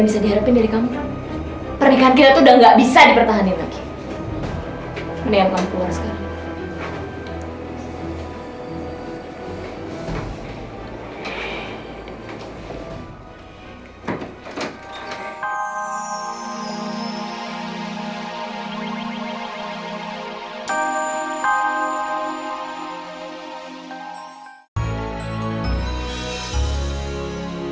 sampai jumpa di video selanjutnya